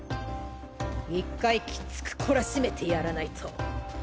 一回きつく懲らしめてやらないと。